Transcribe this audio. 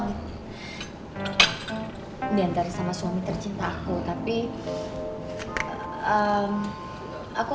diantarin sama suami tercinta aku